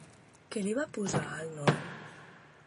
Què li va posar al noi?